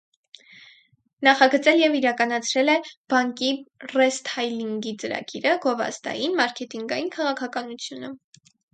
Նախագծել և իրականացրել է բանկի ռեսթայլինգի ծրագիրը, գովազդային, մարքետինգային քաղաքականությունը։